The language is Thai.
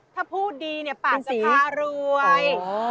ถ้าพูดดีเนี่ยปากจะพารวย